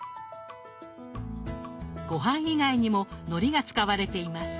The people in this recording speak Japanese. ごはん以外にものりが使われています。